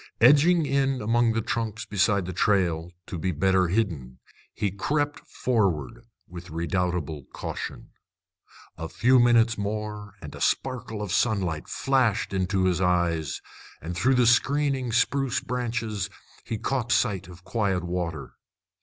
Edging in among the trunks beside the trail to be the better hidden, he crept forward with redoubled caution. A few moments more and a sparkle of sunlight flashed into his eyes, and through the screening spruce branches he caught sight of the quiet water.